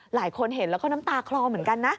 หลายคนเห็นแล้วก็น้ำตาคลอเหมือนกันนะ